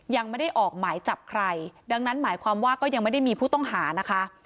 ยังไม่ได้ออกหมายจับใครดังนั้นหมายความว่าก็ยังไม่ได้มีผู้ต้องหานะคะ